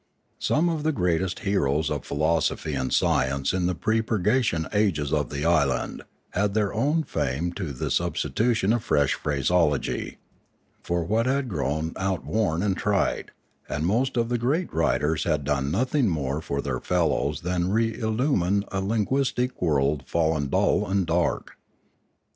Some of the greatest heroes of philosophy and science in the pre purgation ages of the island had owed their fame to the substitution of fresh phraseology for what had grown outworn and trite, and most of the great writers had done nothing more for their fellows than re illumine a linguistic world fallen dull and dark.